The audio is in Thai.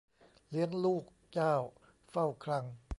เลี้ยงลูกเจ้าเฝ้าคลัง